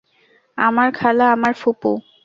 আমার খালা, আমার ফুপু।